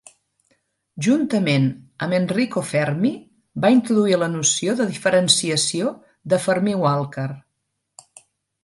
Juntament amb Enrico Fermi, va introduir la noció de diferenciació de Fermi-Walker.